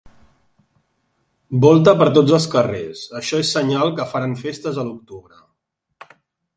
Volta per tots els carrers; això és senyal que faran festes a l'octubre.